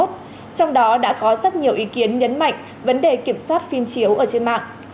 trong đó đã có rất nhiều ý kiến nhấn mạnh vấn đề kiểm soát phim chiếu ở trên mạng